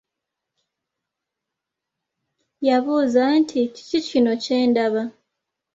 Yabuuza nti, kiki kino kyendaba?